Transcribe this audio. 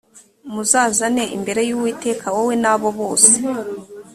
muzazane imbere y uwiteka wowe na bo bose